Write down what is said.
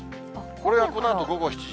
これがこのあと午後７時。